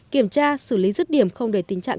kiểm tra xử lý rứt điểm không để tình trạng